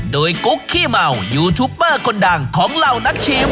โดยกุ๊กขี้เมายูทูปเปอร์คนดังของเหล่านักชิม